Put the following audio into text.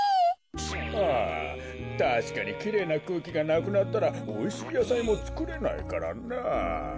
ああたしかにきれいなくうきがなくなったらおいしいやさいもつくれないからなあ。